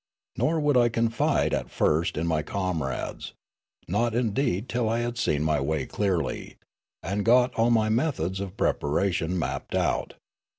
Nor would I confide at first in my comrades, not indeed till I had seen my way clearly, and got all my methods of preparation mapped out.